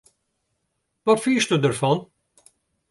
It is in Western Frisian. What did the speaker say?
Wat fynsto derfan?